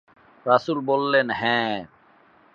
রাসুল বলেলন, হ্যা।